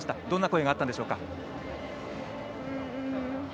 どんな声があったんでしょうか。